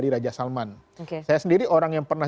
di raja salman saya sendiri orang yang pernah